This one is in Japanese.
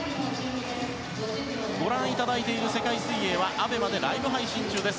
ご覧いただいている世界水泳はＡＢＥＭＡでライブ配信中です。